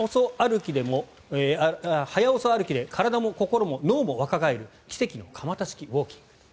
「速遅歩きで体も心も脳も若返る奇跡の鎌田式ウォーキング」。